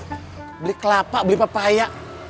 hai beli kelapa beli papaya